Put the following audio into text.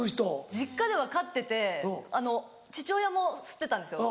実家では飼ってて父親も吸ってたんですよ。